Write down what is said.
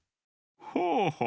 ほうほう。